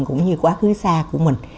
cũng như quá khứ xa của mình